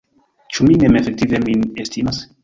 Ĉu mi mem efektive min estimas?